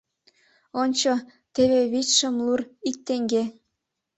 Ончо, теве вич шымлур — ик теҥге.